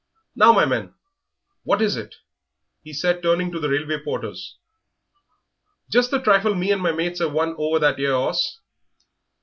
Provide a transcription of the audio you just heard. Now, my men, what is it?" he said, turning to the railway porters. "Just the trifle me and my mates 'av won over that 'ere 'orse."